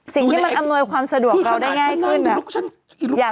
สิ่งที่มันอำนวยความสะดวกเขาได้ง่ายขึ้นแบบอยากซื้อใช่ไหม